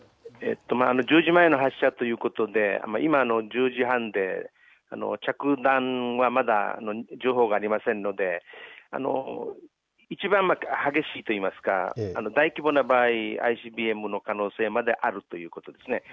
１０時前の発射ということで今の１０時半で着弾はまだ情報がありませんのでいちばん激しいといいますか大規模な場合、ＩＣＢＭの可能性はあるということです。